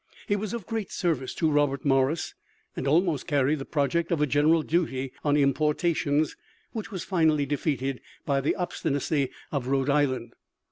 He was of great service to Robert Morris, and almost carried the project of a general duty on importations, which was finally defeated by the obstinacy of Rhode Island.